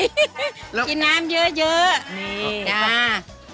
สนิมกินน้ำเยอะนี่เขาไหนค่ะโอ้โฮ